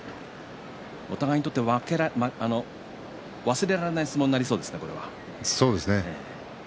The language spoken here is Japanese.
お互いにとって忘れられない相撲にそうですね。